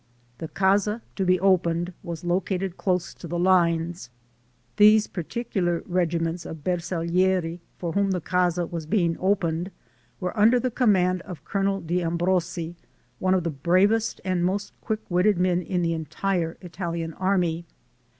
The Casa to be opened was located close to the lines. These particular regiments of "Bersaglieri," for whom the Casa was being opened, were under the command of Colonel de Ambrosi, one of the bravest and most quick witted men of the entire Italian army.